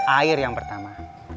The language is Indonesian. air yang pertama